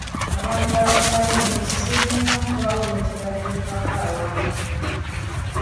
Abantu abatali bumu kizibu nnyo okubaako kye batuukako awamu.